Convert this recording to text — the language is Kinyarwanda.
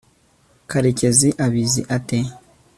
karekezi abizi ate